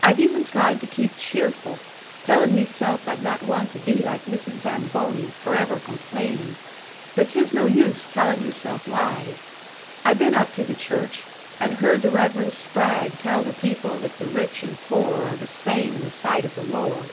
I've even tried to keep cheerful, telling meself I'd not want to be like Mrs. Zamboni, forever complainin'. But 'tis no use tellin' yourself lies! I been up to the church, and heard the Reverend Spragg tell the people that the rich and poor are the same in the sight of the Lord.